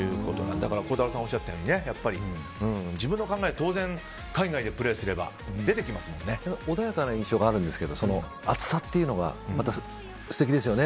だから孝太郎さんがおっしゃったように自分の考えは当然海外でプレーすれば穏やかな印象があるんですが熱さというのがまた素敵ですよね。